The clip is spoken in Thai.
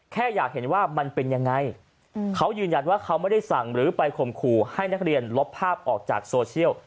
แค่อยากเห็นว่ามันเป็นยังไงเขายืนยันว่าเขาไม่ได้สั่งหรือไปข่มขู่ให้นักเรียนลบภาพออกจากโซเชียล